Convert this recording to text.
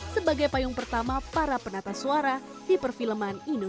sebagai payung pertama para penata suara di perfilman indonesia